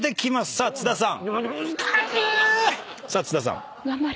さあ津田さん。